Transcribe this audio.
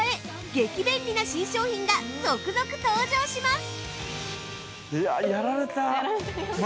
激便利な新商品が続々登場します！